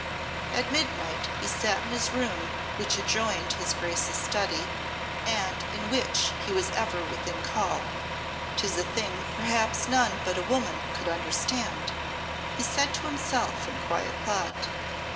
At midnight he sate in his room, which adjoined his Grace's study, and in which he was ever within call. "'Tis a thing perhaps none but a woman could understand," he said to himself in quiet thought.